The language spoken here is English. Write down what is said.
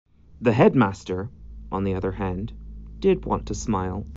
The headmaster, on the other hand, did want to smile.